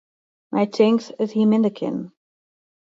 My tinkt, it hie minder kinnen.